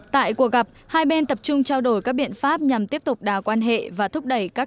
tại cuộc gặp hai bên tập trung trao đổi các biện pháp nhằm tiếp tục đào quan hệ và thúc đẩy các